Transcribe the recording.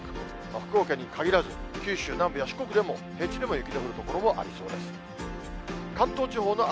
福岡に限らず、九州南部や四国でも、平地でも雪の降る所もありそうです。